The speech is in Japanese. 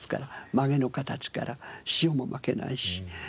まげの形から塩もまけないし。